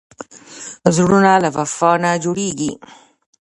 زړونه له وفا نه جوړېږي.